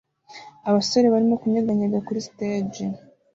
Abasore barimo kunyeganyega kuri stage